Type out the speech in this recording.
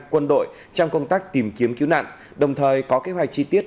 quân đội trong công tác tìm kiếm cứu nạn đồng thời có kế hoạch chi tiết